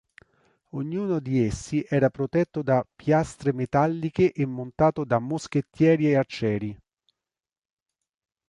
Ognuno di essi era protetto da piastre metalliche e montato da moschettieri e arcieri.